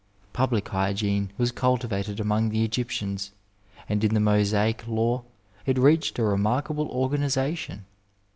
Public hygiene was cultivated among the Egyptians, and in the Mosaic law it reached a remark able organization.